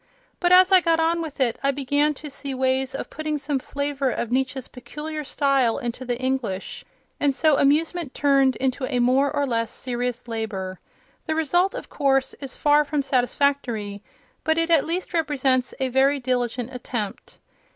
But as I got on with it I began to see ways of putting some flavour of Nietzsche's peculiar style into the English, and so amusement turned into a more or less serious labour. The result, of course, is far from satisfactory, but it at least represents a very diligent attempt.